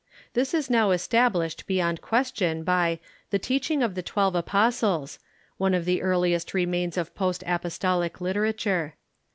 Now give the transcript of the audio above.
This is now established beyond question by the " Teaching of the Twelve Apostles," one of the earliest remains of post apostolic literature.